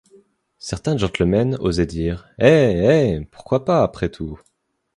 Certains gentlemen osaient dire: « Hé! hé ! pourquoi pas, après tout?